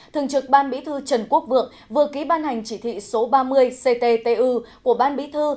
thường trực ban bí thư trần quốc vượng vừa ký ban hành chỉ thị số ba mươi cttu của ban bí thư